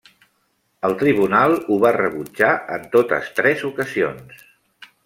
El tribunal ho va rebutjar en totes tres ocasions.